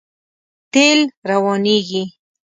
تېل روانېږي.